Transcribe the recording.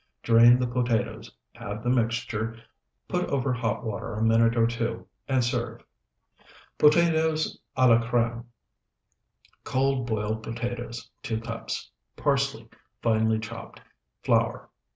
Drain the potatoes, add the mixture, put over hot water a minute or two, and serve. POTATOES A LA CREME Cold, boiled potatoes, 2 cups. Parsley, finely chopped. Flour.